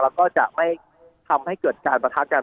แล้วก็จะไม่ทำให้เกิดการประทะกัน